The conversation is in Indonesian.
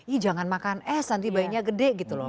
ih jangan makan es nanti bayinya gede gitu loh